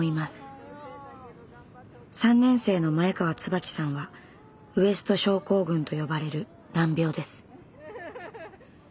３年生の前川椿さんはウエスト症候群と呼ばれる難病です。